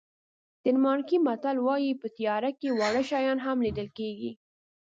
ډنمارکي متل وایي په تیارو کې واړه شیان هم لیدل کېږي.